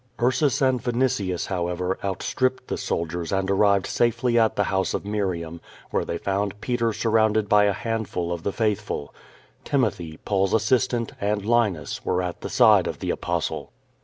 Ursus and Vinitius, however, outstripped the soldiers and arrived safely at the house of Miriam, where they found Peter surrounded by a handful of the faithful. Timothy, Paul's as sistant, and Linus were at the side of the Apostle.